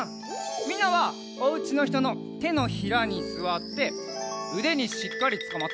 みんなはおうちのひとのてのひらにすわってうでにしっかりつかまって。